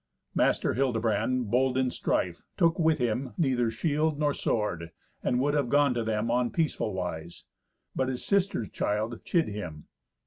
Master Hildebrand, bold in strife, took with him neither shield nor sword, and would have gone to them on peaceful wise. But his sister's child chid him.